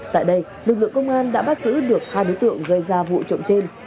tại đây lực lượng công an đã bắt giữ được hai đối tượng gây ra vụ trộm trên